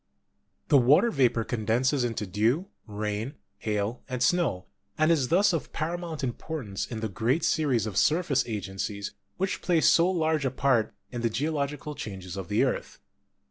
The water vapor condenses into dew, rain, hail, and snow, and is thus of paramount importance in the great series of surface agencies which play so large a part in the geological changes of the earth.